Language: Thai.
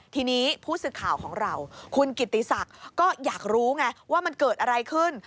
ทีนี้ผู้สื่อข่าวของเราคุณกิติศักดิ์ก็อยากรู้ไงว่ามันเกิดอะไรขึ้น